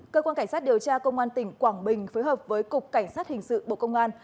cơ quan cảnh sát điều tra công an tỉnh quảng bình phối hợp với cục cảnh sát hình sự bộ công an